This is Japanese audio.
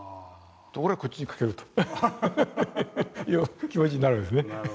俺はこっちにかけるという気持ちになるわけですね。